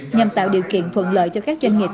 nhằm tạo điều kiện thuận lợi cho các doanh nghiệp